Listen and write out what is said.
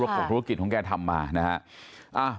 ของธุรกิจของแกทำมานะฮะ